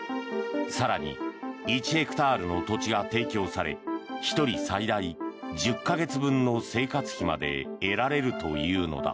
更に１ヘクタールの土地が提供され１人最大１０か月分の生活費まで得られるというのだ。